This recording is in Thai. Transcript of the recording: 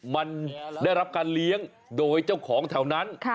มันได้รับการเลี้ยงโดยเจ้าของแถวนั้น